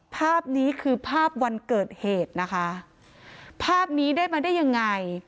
ภาพนี้คือภาพวันเกิดเหตุนะคะภาพนี้ได้มาได้ยังไง